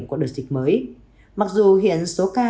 của đợt dịch mới mặc dù hiện số ca